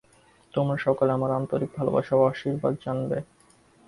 তোমরা সকলে আমার আন্তরিক ভালবাসা ও আশীর্বাদ জানবে।